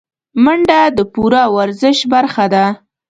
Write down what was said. منډه د پوره ورزش برخه ده